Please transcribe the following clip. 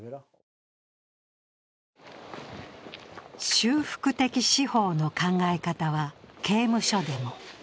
修復的司法の考え方は刑務所でも。